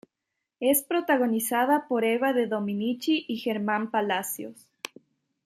Es protagonizada por Eva de Dominici y Germán Palacios.